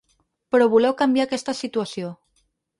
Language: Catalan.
Però voleu canviar aquesta situació.